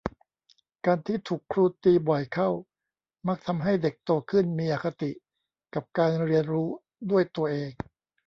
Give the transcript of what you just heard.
การที่ถูกครูตีบ่อยเข้ามักทำให้เด็กโตขึ้นมีอคติกับการเรียนรู้ด้วยตัวเอง